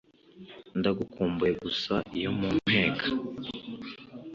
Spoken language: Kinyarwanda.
ndagukumbuye gusa iyo mpumeka